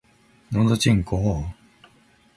のどちんこぉ